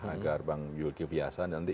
agar bang yul kiviasan nanti